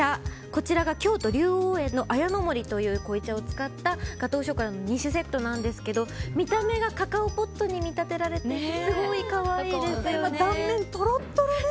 こちらが京都、柳桜園の綾の森という濃茶を使ったガトーショコラの２種セットなんですけど見た目がカカオポッドに見立てられていてすごく可愛いですよね。